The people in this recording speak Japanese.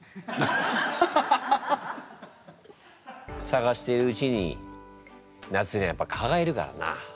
探しているうちに夏にはやっぱ蚊がいるからな。